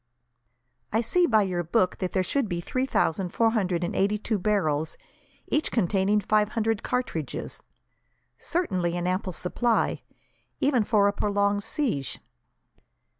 "I see, by your book, that there should be three thousand four hundred and eighty two barrels, each containing five hundred cartridges. Certainly an ample supply, even for a prolonged siege."